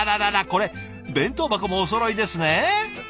これ弁当箱もおそろいですね。